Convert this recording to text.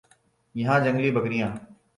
یہاں جنگلی بکریاں